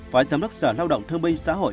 phó giám đốc sở lao động thương binh xã hội